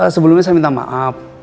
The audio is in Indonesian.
sebelumnya saya minta maaf